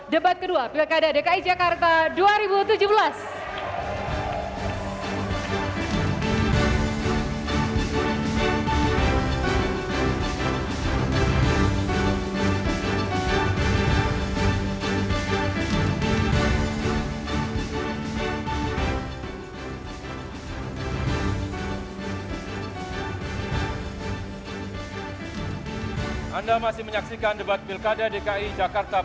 debat kedua bkd dki jakarta dua ribu tujuh belas